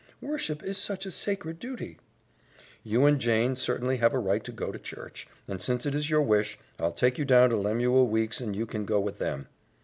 Worship is such a sacred duty " "You and Jane certainly have a right to go to church, and since it is your wish, I'll take you down to Lemuel Weeks' and you can go with them."